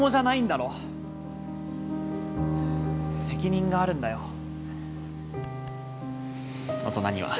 責任があるんだよ。